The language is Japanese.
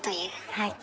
はい。